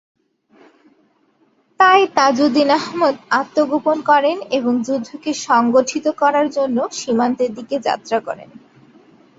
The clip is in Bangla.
তাই তাজউদ্দীন আহমদ আত্মগোপন করেন এবং যুদ্ধকে সংগঠিত করার জন্য সীমান্তের দিকে যাত্রা করেন।